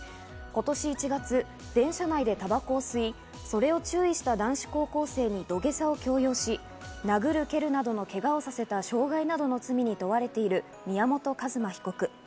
今年１月、電車内でタバコを吸い、それを注意した男子高校生に土下座を強要し、殴る蹴るなどのけがをさせた傷害などの罪に問われている宮本一馬被告。